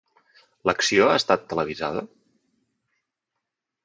L'acció ha estat televisada?